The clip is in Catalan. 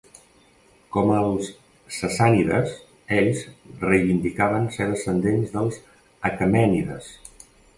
Com els Sassànides, ells reivindicaven ser descendents dels Aquemènides.